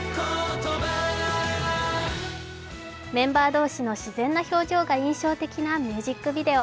メンバー同士の自然な表情が印象的なミュージックビデオ。